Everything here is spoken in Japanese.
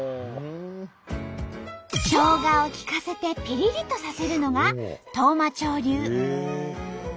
ショウガをきかせてピリリとさせるのが当麻町流。